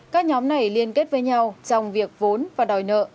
các nhóm này liên kết với nhau trong việc vốn và đòi nợ